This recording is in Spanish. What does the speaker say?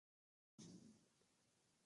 En chino se llama 詩雅|詩雅; nacida 衛詩雅.